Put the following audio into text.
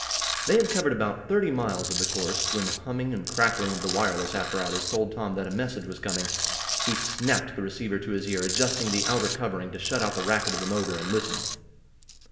They had covered about thirty miles of the course, when the humming and crackling of the wireless apparatus told Tom that a message was coming. He snapped the receiver to his ear, adjusting the outer covering to shut out the racket of the motor, and listened.